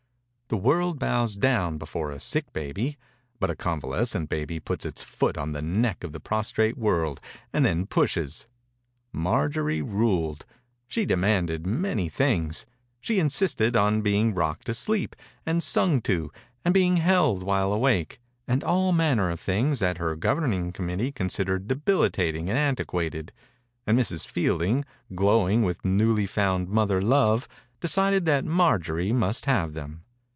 The world bows down before a sick baby, but a convalescent 76 THE INCUBATOR BABY baby puts its foot on the neck of the prostrate world and then pushes. Marjorie ruled. She demanded many things. She insisted on being rocked to sleep, and sung to, and being held while awake, and all manner of things that her governing com mittee considered debilitating and antiquated, and Mrs. Field ing, glowing with newly found mother love, decided that Mar jorie must have them.